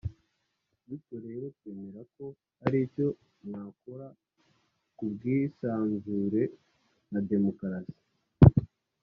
bityo rero twemera ko hari icyo mwakora ku bwisanzure na demokoarasi